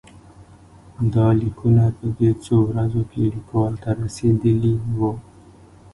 دا لیکونه په دې څو ورځو کې لیکوال ته رسېدلي وو.